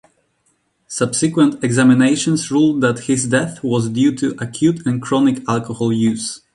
Subsequent examinations ruled that his death was due to "acute and chronic alcohol use".